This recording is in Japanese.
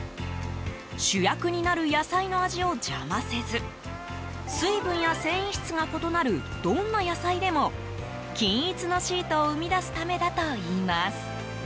主役になる野菜の味を邪魔せず水分や繊維質が異なるどんな野菜でも均一のシートを生み出すためだといいます。